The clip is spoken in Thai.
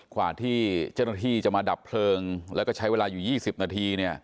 ขวาที่ชนธุที่จะมาดับเพลิงแล้วก็ใช้เวลาอยู่๒๐นาที